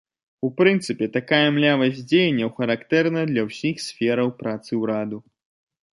У прынцыпе, такая млявасць дзеянняў характэрная для ўсіх сфераў працы ўраду.